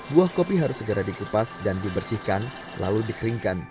buah kopi harus segera dikupas dan dibersihkan lalu dikeringkan